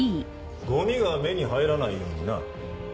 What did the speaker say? ゴミが目に入らないようにな。